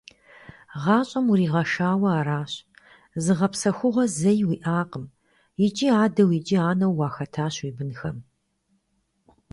ГъащӀэм уригъэшауэ аращ, зыгъэпсэхугъуэ зэи уиӀакъым, икӀи адэу икӀи анэу уахэтащ уи бынхэм.